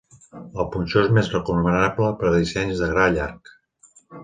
El punxó és més recomanable per a dissenys de gra llarg.